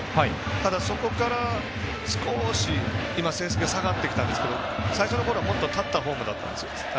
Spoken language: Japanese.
ただそこから少し今、成績が下がってきたんですけど最初のころは立ったフォームだったんです。